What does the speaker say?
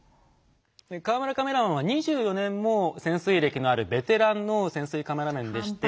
河村カメラマンは２４年も潜水歴のあるベテランの潜水カメラマンでして。